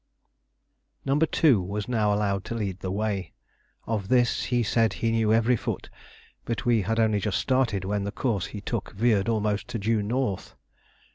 No. 2 was now allowed to lead the way. Of this he said he knew every foot; but we had only just started when the course he took veered almost to due north.